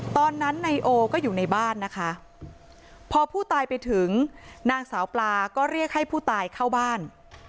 ตอนนั้นนายโอก็อยู่ในบ้านนะคะพอผู้ตายไปถึงนางสาวปลาก็เรียกให้ผู้ตายเข้าบ้าน